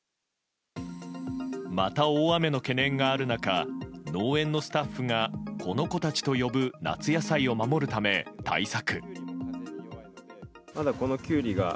また大雨の懸念がある中農園のスタッフがこの子たちと呼ぶ夏野菜を守るため対策。